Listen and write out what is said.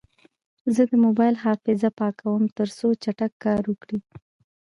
زه د موبایل حافظه پاکوم، ترڅو چټک کار وکړي.